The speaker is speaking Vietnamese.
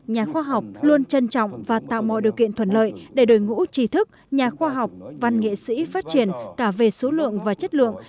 nhà khoa học luôn trân trọng và tạo mọi điều kiện thuận lợi để đội ngũ trí thức nhà khoa học văn nghệ sĩ phát triển cả về số lượng và chất lượng